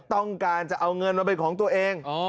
ต้องการจะเอาเงินมาเป็นของตัวเอง